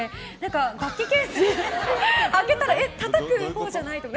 楽器ケース開けたらえ、たたくほうじゃない！って。